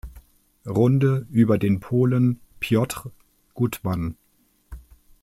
Runde über den Polen Piotr Gutman.